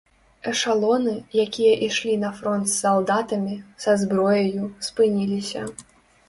Эшалоны, якія ішлі на фронт з салдатамі, са зброяю, спыніліся.